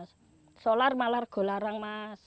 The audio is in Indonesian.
solar malah lebih larang